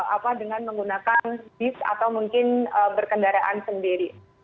apa dengan menggunakan bis atau mungkin berkendaraan sendiri